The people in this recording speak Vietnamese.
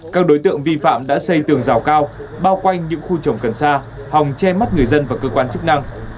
các đối tượng vi phạm đã xây tường rào cao bao quanh những khu trồng cần xa hòng che mắt người dân và cơ quan chức năng